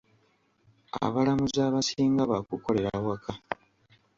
Abalamuzi abasinga baakukolera waka.